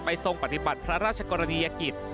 ทรงปฏิบัติพระราชกรณียกิจ